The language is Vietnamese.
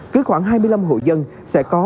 cứ khoảng hai mươi năm hội dân sẽ có